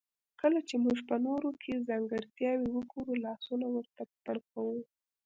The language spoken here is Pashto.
کله چې موږ په نورو کې ځانګړتياوې وګورو لاسونه ورته پړکوو.